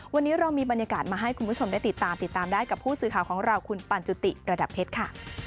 วันนี้เรามีบรรยากาศมาให้คุณผู้ชมได้ติดตามติดตามได้กับผู้สื่อข่าวของเราคุณปันจุติระดับเพชรค่ะ